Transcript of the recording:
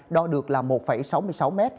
đo được là một sáu mươi sáu m